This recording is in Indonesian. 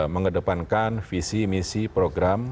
mengedepankan visi misi program